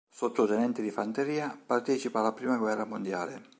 Sottotenente di fanteria, partecipa alla Prima Guerra Mondiale.